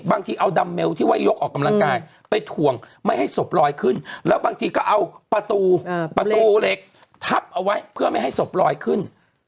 บางทีเอาดัมเมลที่ไว้ยกออกกำลังกายไปถ่วงไม่ให้ศพลอยขึ้นแล้วบางทีก็เอาประตูประตูเหล็กทับเอาไว้เพื่อไม่ให้ศพลอยขึ้น